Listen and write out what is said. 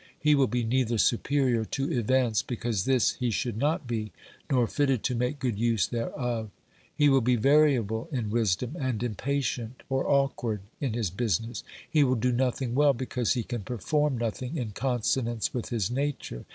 He will be neither superior to events, because this he should not be, nor fitted to make good use thereof He will be variable in wisdom and impatient or awkward in his business ; he will do nothing well because he can perform nothing in consonance with his nature.